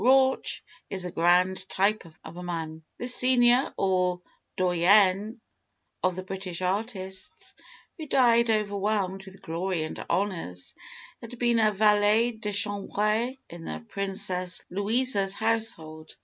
Rauch is a grand type of a man. This senior or doyen of the German artists, who died overwhelmed with glory and honours, had been a valet de chambre in the Princess Louisa's household.